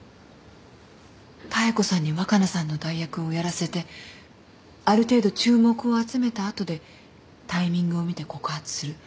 妙子さんに若菜さんの代役をやらせてある程度注目を集めた後でタイミングを見て告発する。